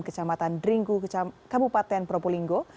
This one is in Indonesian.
kecamatan dringu kabupaten propolinggo